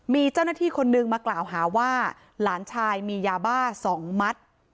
มีเจ้าหน้าที่คนนึงมากล่าวหาว่าหลานชายมียาบ้า๒มัด